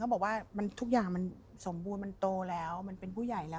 บอกว่ามันทุกอย่างมันสมบูรณ์มันโตแล้วมันเป็นผู้ใหญ่แล้ว